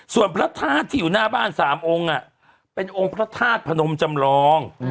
ส่วนพระธาตุที่อยู่หน้าบ้าน๓องค์เป็นองค์พระธาตุพนมจำลอง